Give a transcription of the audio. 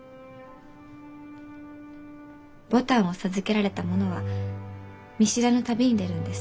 牡丹を授けられた者は見知らぬ旅に出るんです。